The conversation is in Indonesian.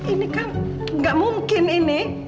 ini kan nggak mungkin ini